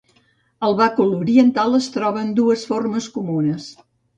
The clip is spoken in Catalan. El bàcul oriental es troba en dues formes comunes.